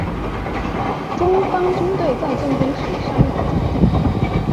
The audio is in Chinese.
中方军队在进攻时伤亡较重。